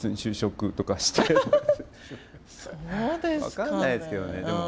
分からないですけどねでも。